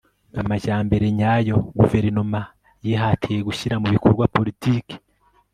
amajyambere nyayo Guverinoma yihatiye gushyira mu bikorwa politike